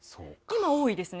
今、多いですね。